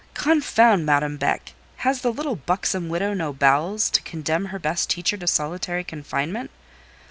Confound Madame Beck! Has the little buxom widow no bowels, to condemn her best teacher to solitary confinement?"